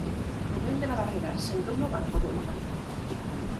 Rubén de la Barrera sentou no banco do Helmántico.